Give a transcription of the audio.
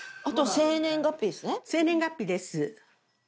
生年月日です。